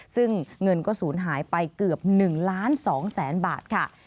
ซึ่งเงินก็ศูนย์หายไปเกือบ๑ล้าน๒แสนบาทค่ะ